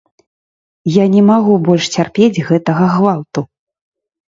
Я не магу больш цярпець гэтага гвалту.